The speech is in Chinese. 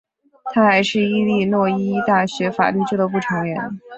他还是伊利诺伊大学法律俱乐部成员。